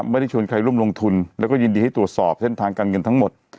ไม่ได้ชวนใครร่วมลงทุนแล้วก็ยินดีให้ตรวจสอบเส้นทางการเงินทั้งหมด